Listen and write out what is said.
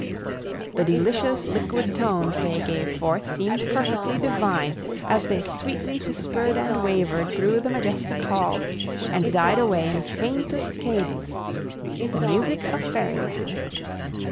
The delicious liquid tones they gave forth seemed perfectly divine as they sweetly whispered and wavered through the majestic halls and died away in faintest cadence,—the music of fairy land.